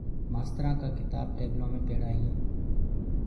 مآسترآنٚ ڪآ ڪِتآب ٽيبلو مينٚ پيڙآ هينٚ۔